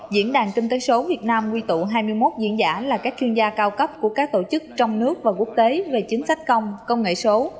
diễn đàn kinh tế số việt nam quy tụ hai mươi một diễn giả là các chuyên gia cao cấp của các tổ chức trong nước và quốc tế về chính sách công công nghệ số